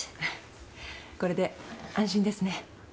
これで安心ですね。